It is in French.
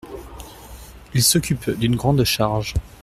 Il s’occupe d’une grande charge.